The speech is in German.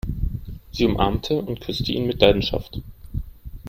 Sie umarmte und küsste ihn mit Leidenschaft.